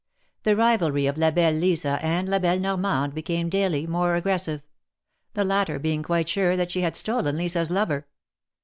The rivalry of La belle Lisa and La belle Normande be came daily more aggressive — the latter being quite sure that she had stolen Lisa's lover.